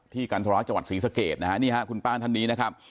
ที่การทบาลจังหวัดสิงห์ศเกตนะครับคุณป้านท่านนี้นะครับ